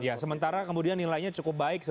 ya sementara kemudian nilainya cukup baik